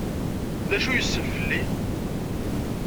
D acu ay yessen fell-i?